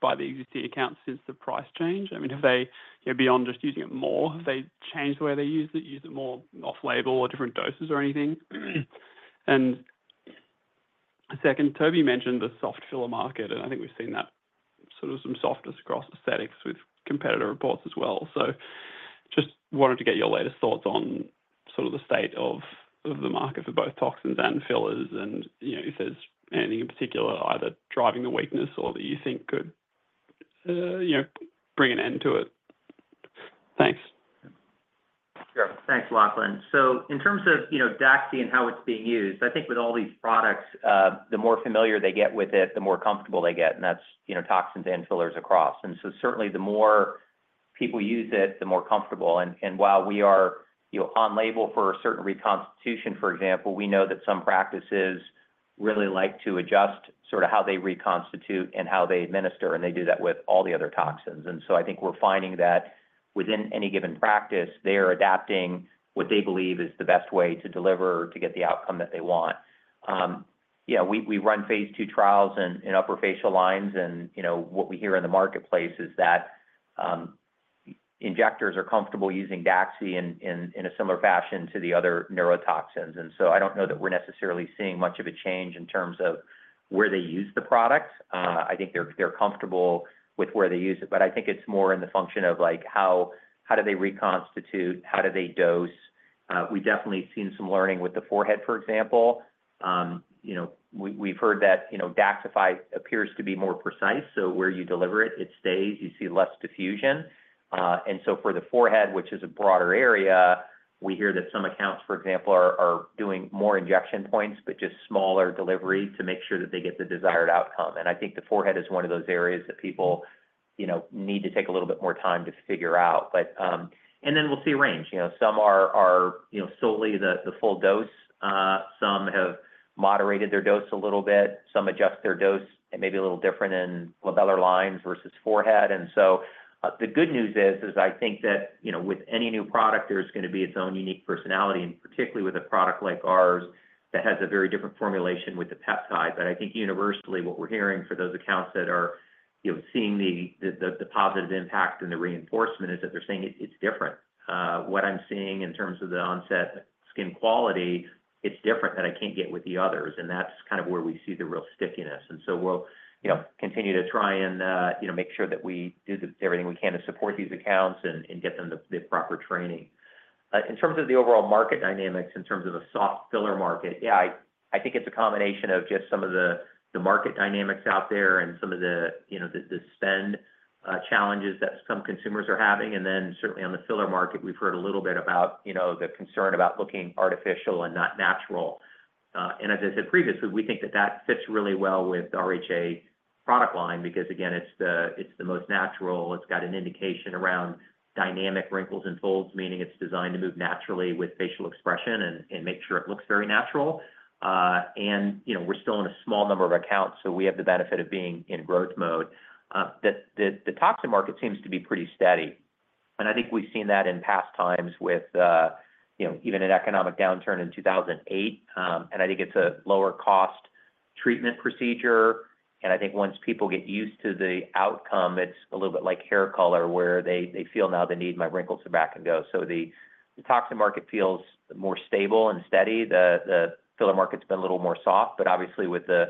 by the existing accounts since the price change? I mean, have they, you know, beyond just using it more, have they changed the way they use it, use it more off label or different doses or anything? And second, Toby mentioned the soft filler market, and I think we've seen that sort of some softness across aesthetics with competitor reports as well. So just wanted to get your latest thoughts on sort of the state of, of the market for both toxins and fillers and, you know, if there's anything in particular either driving the weakness or that you think could, you know, bring an end to it? Thanks. Sure. Thanks, Lachlan. So in terms of, you know, DAXI and how it's being used, I think with all these products, the more familiar they get with it, the more comfortable they get, and that's, you know, toxins and fillers across. And so certainly, the more people use it, the more comfortable. And while we are, you know, on label for a certain reconstitution, for example, we know that some practices really like to adjust sort of how they reconstitute and how they administer, and they do that with all the other toxins. And so I think we're finding that within any given practice, they are adapting what they believe is the best way to deliver to get the outcome that they want. Yeah, we run phase II trials in upper facial lines and, you know, what we hear in the marketplace is that injectors are comfortable using DAXI in a similar fashion to the other neurotoxins. And so I don't know that we're necessarily seeing much of a change in terms of where they use the product. I think they're comfortable with where they use it, but I think it's more in the function of, like, how do they reconstitute? How do they dose? We've definitely seen some learning with the forehead, for example. You know, we've heard that, you know, DAXXIFY appears to be more precise, so where you deliver it, it stays, you see less diffusion. So for the forehead, which is a broader area, we hear that some accounts, for example, are doing more injection points, but just smaller delivery to make sure that they get the desired outcome. And I think the forehead is one of those areas that people, you know, need to take a little bit more time to figure out. But, and then we'll see a range. You know, some are, you know, solely the full dose. Some have moderated their dose a little bit, some adjust their dose. It may be a little different in glabellar lines versus forehead. And so, the good news is I think that, you know, with any new product, there's gonna be its own unique personality, and particularly with a product like ours that has a very different formulation with the peptide. But I think universally, what we're hearing for those accounts that are, you know, seeing the positive impact and the reinforcement, is that they're saying it, it's different. What I'm seeing in terms of the onset skin quality, it's different, that I can't get with the others, and that's kind of where we see the real stickiness. And so we'll, you know, continue to try and, you know, make sure that we do everything we can to support these accounts and get them the proper training. In terms of the overall market dynamics, in terms of the soft filler market, yeah, I think it's a combination of just some of the market dynamics out there and some of the, you know, the spend challenges that some consumers are having. And then certainly on the filler market, we've heard a little bit about, you know, the concern about looking artificial and not natural. And as I said previously, we think that that fits really well with the RHA product line because, again, it's the most natural. It's got an indication around dynamic wrinkles and folds, meaning it's designed to move naturally with facial expression and make sure it looks very natural. And, you know, we're still in a small number of accounts, so we have the benefit of being in growth mode. The toxin market seems to be pretty steady, and I think we've seen that in past times with, you know, even an economic downturn in 2008. And I think it's a lower cost treatment procedure, and I think once people get used to the outcome, it's a little bit like hair color, where they feel now they need my wrinkles to pack and go. So the toxin market feels more stable and steady. The filler market's been a little more soft, but obviously, with the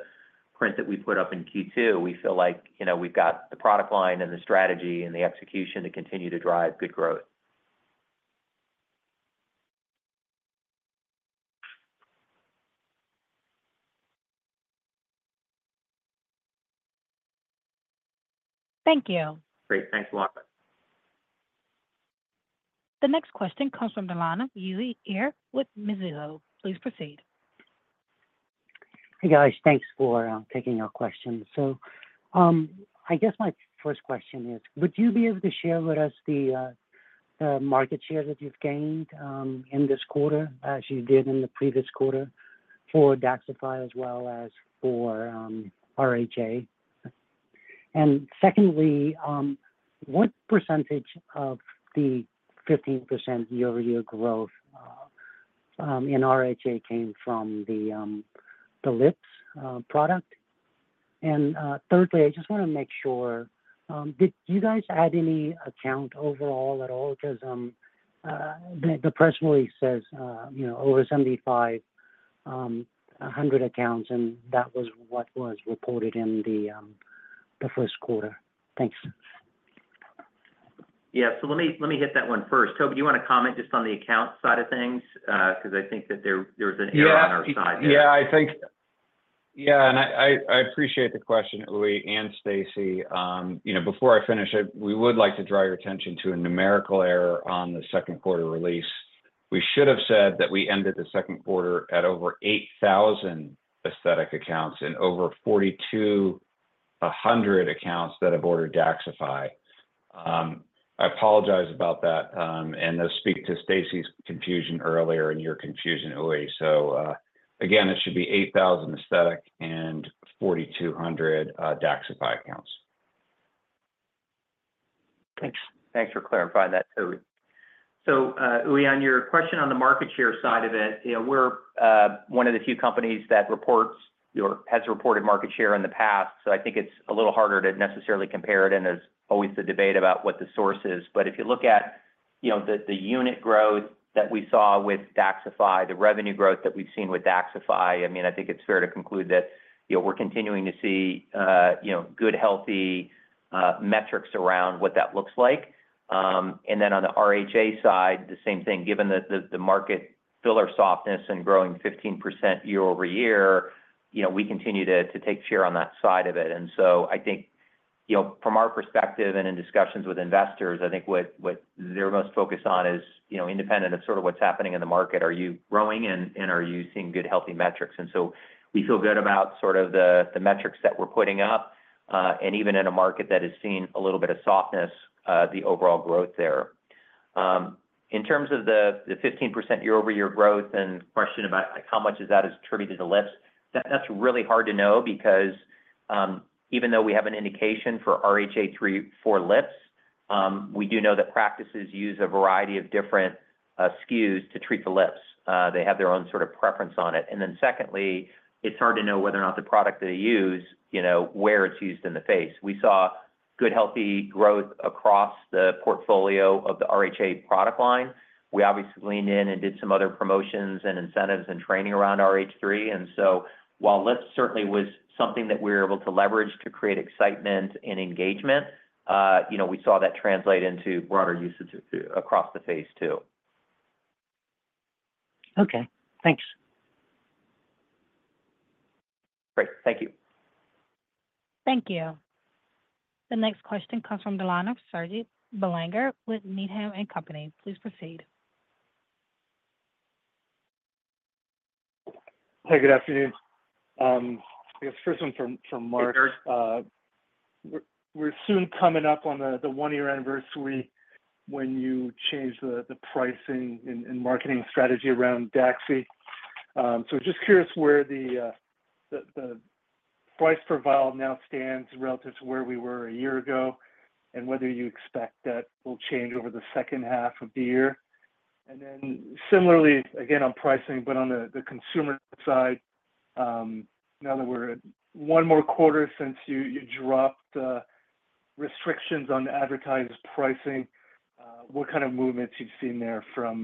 print that we put up in Q2, we feel like, you know, we've got the product line and the strategy and the execution to continue to drive good growth. Thank you. Great. Thanks a lot. The next question comes from Uy Ear here with Mizuho. Please proceed. Hey, guys. Thanks for taking our questions. So, I guess my first question is, would you be able to share with us the market share that you've gained in this quarter, as you did in the previous quarter, for DAXXIFY as well as for RHA? And secondly, what percentage of the 15% year-over-year growth in RHA came from the lips product? And, thirdly, I just wanna make sure, did you guys add any account overall at all? Because, the press release says, you know, over 7,500 accounts, and that was what was reported in the first quarter. Thanks. Yeah. So let me, let me hit that one first. Toby, do you wanna comment just on the account side of things? Because I think that there, there was an error on our side there. Yeah, I think... Yeah, and I appreciate the question, Uy and Stacy. You know, before I finish, we would like to draw your attention to a numerical error on the second quarter release. We should have said that we ended the second quarter at over 8,000 aesthetic accounts and over 4,200 accounts that have ordered DAXXIFY. I apologize about that, and those speak to Stacy's confusion earlier and your confusion, Uy. So, again, it should be 8,000 aesthetic and 4,200 DAXXIFY accounts. Thanks. Thanks for clarifying that, Toby. So, Uy, on your question on the market share side of it, you know, we're one of the few companies that reports your-- has reported market share in the past, so I think it's a little harder to necessarily compare it, and there's always the debate about what the source is. But if you look at, you know, the unit growth that we saw with DAXXIFY, the revenue growth that we've seen with DAXXIFY, I mean, I think it's fair to conclude that, you know, we're continuing to see, you know, good, healthy metrics around what that looks like. And then on the RHA side, the same thing, given the market filler softness and growing 15% year-over-year, you know, we continue to take share on that side of it. And so I think, you know, from our perspective and in discussions with investors, I think what they're most focused on is, you know, independent of sort of what's happening in the market, are you growing and are you seeing good, healthy metrics? And so we feel good about sort of the metrics that we're putting up, and even in a market that is seeing a little bit of softness, the overall growth there. In terms of the 15% year-over-year growth and question about, like, how much of that is attributed to lips, that's really hard to know because, even though we have an indication for RHA 3 for lips, we do know that practices use a variety of different SKUs to treat the lips. They have their own sort of preference on it. Then secondly, it's hard to know whether or not the product they use, you know, where it's used in the face. We saw good, healthy growth across the portfolio of the RHA product line. We obviously leaned in and did some other promotions and incentives and training around RHA 3. And so, while lips certainly was something that we were able to leverage to create excitement and engagement, you know, we saw that translate into broader usage across the face, too. Okay, thanks. Great. Thank you. Thank you. The next question comes from the line of Serge Belanger with Needham & Company. Please proceed. Hey, good afternoon. I guess first one from Mark. Hi, Serge. We're soon coming up on the one-year anniversary when you changed the pricing and marketing strategy around DAXI. So just curious where the price per vial now stands relative to where we were a year ago, and whether you expect that will change over the second half of the year? And then similarly, again, on pricing, but on the consumer side, now that we're one more quarter since you dropped the restrictions on the advertised pricing, what kind of movements you've seen there from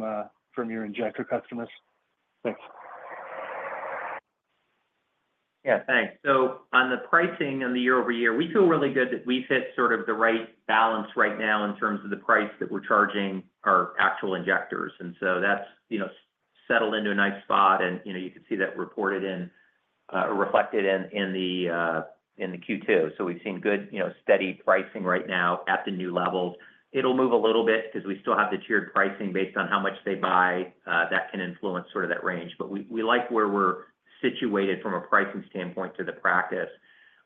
your injector customers? Thanks. Yeah, thanks. So on the pricing on the year-over-year, we feel really good that we've hit sort of the right balance right now in terms of the price that we're charging our actual injectors. And so that's, you know, settled into a nice spot, and, you know, you can see that reported in, reflected in, in the, in the Q2. So we've seen good, you know, steady pricing right now at the new levels. It'll move a little bit because we still have the tiered pricing based on how much they buy. That can influence sort of that range. But we, we like where we're situated from a pricing standpoint to the practice.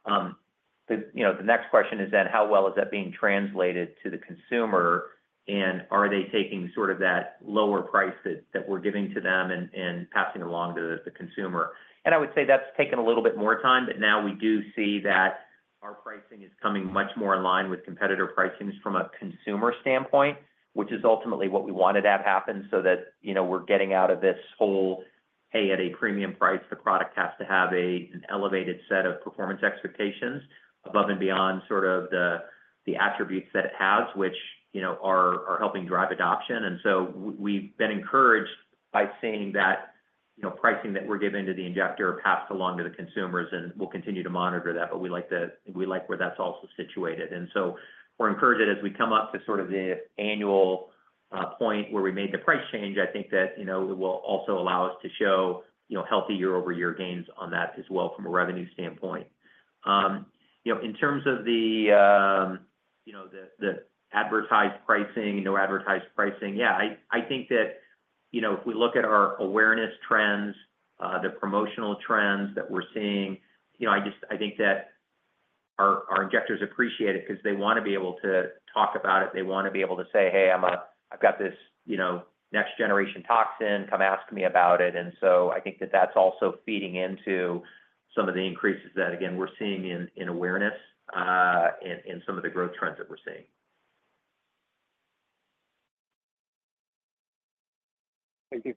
You know, the next question is then, how well is that being translated to the consumer, and are they taking sort of that lower price that we're giving to them and passing along to the consumer? And I would say that's taken a little bit more time, but now we do see that our pricing is coming much more in line with competitor pricings from a consumer standpoint, which is ultimately what we wanted to have happen, so that, you know, we're getting out of this whole, "Hey, at a premium price, the product has to have an elevated set of performance expectations above and beyond sort of the attributes that it has," which, you know, are helping drive adoption. And so we've been encouraged by seeing that, you know, pricing that we're giving to the injector passed along to the consumers, and we'll continue to monitor that, but we like the, we like where that's also situated. And so we're encouraged that as we come up to sort of the annual point where we made the price change, I think that, you know, it will also allow us to show, you know, healthy year-over-year gains on that as well from a revenue standpoint. You know, in terms of the, you know, the, the advertised pricing, no advertised pricing, yeah, I, I think that, you know, if we look at our awareness trends, the promotional trends that we're seeing, you know, I just, I think that our, our injectors appreciate it because they wanna be able to talk about it. They wanna be able to say, "Hey, I'm, I've got this, you know, next generation toxin. Come ask me about it." And so I think that that's also feeding into some of the increases that, again, we're seeing in, in awareness, and, and some of the growth trends that we're seeing. Thank you.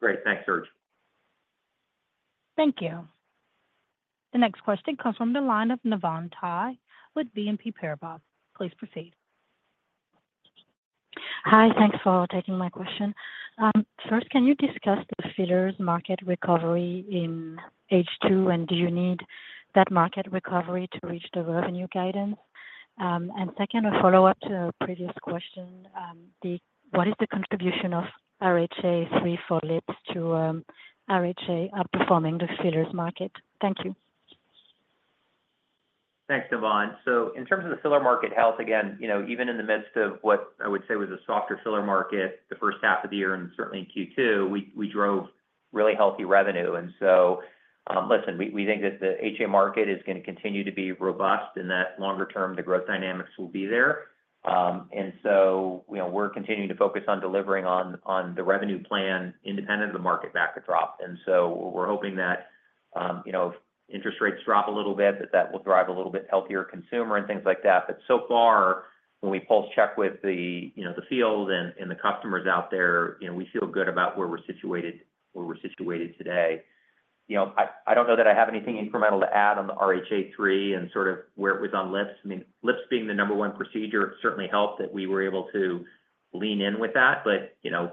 Great. Thanks, Serge. Thank you. The next question comes from the line of Navann Ty with BNP Paribas. Please proceed. Hi, thanks for taking my question. First, can you discuss the fillers market recovery in H2, and do you need that market recovery to reach the revenue guidance? And second, a follow-up to a previous question, what is the contribution of RHA 3 for lips to RHA outperforming the fillers market? Thank you. Thanks, Navann. So in terms of the filler market health, again, you know, even in the midst of what I would say was a softer filler market, the first half of the year and certainly in Q2, we drove really healthy revenue. And so, listen, we think that the HA market is gonna continue to be robust and that longer term, the growth dynamics will be there. And so, you know, we're continuing to focus on delivering on the revenue plan independent of the market drop. And so we're hoping that, you know, if interest rates drop a little bit, that will drive a little bit healthier consumer and things like that. But so far, when we pulse check with the, you know, the field and, and the customers out there, you know, we feel good about where we're situated, where we're situated today. You know, I, I don't know that I have anything incremental to add on the RHA 3 and sort of where it was on lips. I mean, lips being the number one procedure, it certainly helped that we were able to lean in with that. But, you know,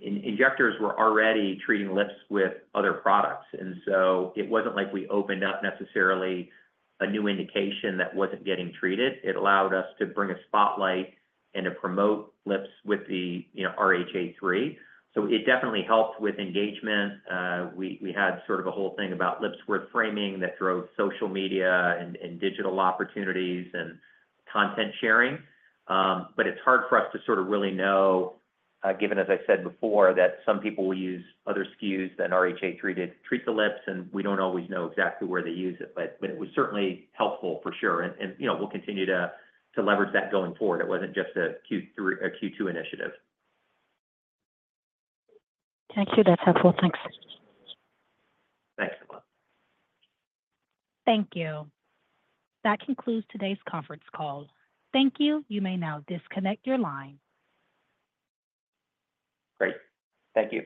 injectors were already treating lips with other products, and so it wasn't like we opened up necessarily a new indication that wasn't getting treated. It allowed us to bring a spotlight and to promote lips with the, you know, RHA 3. So it definitely helped with engagement. We had sort of a whole thing about Lips Worth Framing that drove social media and, and digital opportunities and content sharing. But it's hard for us to sort of really know, given, as I said before, that some people will use other SKUs than RHA3 to treat the lips, and we don't always know exactly where they use it. But it was certainly helpful for sure, and you know, we'll continue to leverage that going forward. It wasn't just a Q3... a Q2 initiative. Thank you. That's helpful. Thanks. Thanks, Navann. Thank you. That concludes today's conference call. Thank you. You may now disconnect your line. Great. Thank you.